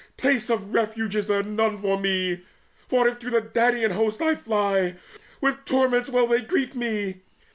Place of refuge is there none For me; for if to the Danaan host I fly, With torments will they greet me.